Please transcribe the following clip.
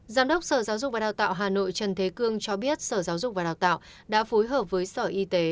giám đốc sở giáo dục và đào tạo hà nội trần thế cương cho biết sở giáo dục và đào tạo đã phối hợp với sở y tế